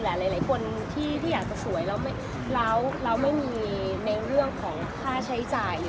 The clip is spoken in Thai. หลายคนที่อยากจะสวยแล้วเราไม่มีในเรื่องของค่าใช้จ่าย